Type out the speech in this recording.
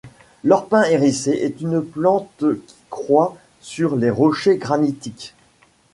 L'orpin hérissé est une plante qui croît sur les rochers granitiques.